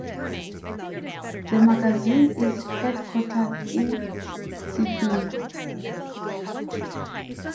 The magazine is headquartered in Sydney.